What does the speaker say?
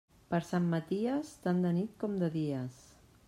Per Sant Maties, tant de nit com de dies.